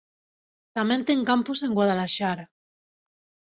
Tamén ten campus en Guadalaxara.